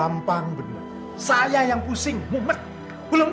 mau sekat mestinya ngomong dulu dong